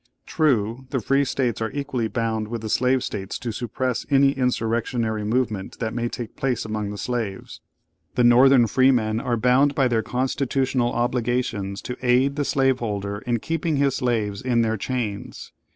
True, the Free States are equally bound with the Slave States to suppress any insurrectionary movement that may take place among the slaves. The Northern freemen are bound by their constitutional obligations to aid the slaveholder in keeping his slaves in their chains.